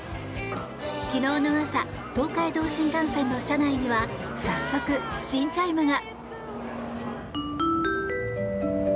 昨日の朝東海道新幹線の車内には早速、新チャイムが。